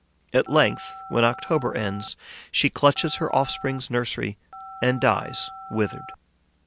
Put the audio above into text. At length, when October ends, she clutches her offspring's nursery and dies withered.